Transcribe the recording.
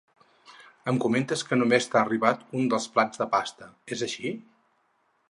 Em comentes que només t'ha arribat un dels plats de pasta, és així?